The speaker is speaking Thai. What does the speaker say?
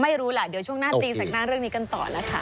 ไม่รู้แหละเดี๋ยวช่วงหน้าตีแสกหน้าเรื่องนี้กันต่อนะคะ